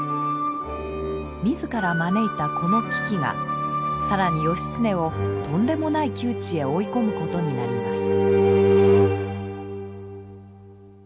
自ら招いたこの危機が更に義経をとんでもない窮地へ追い込むことになります。